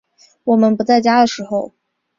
我们不在家的时候